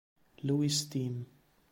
Louis Team.